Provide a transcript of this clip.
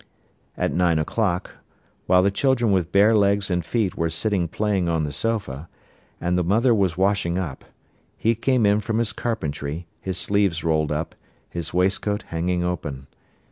At nine o'clock, while the children with bare legs and feet were sitting playing on the sofa, and the mother was washing up, he came in from his carpentry, his sleeves rolled up, his waistcoat hanging open.